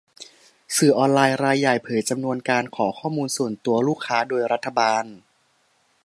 สื่อออนไลน์รายใหญ่เผยจำนวนการขอข้อมูลส่วนตัวลูกค้าโดยรัฐบาล